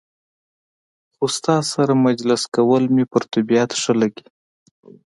خو ستا سره مجلس کول مې په طبیعت ښه لګي.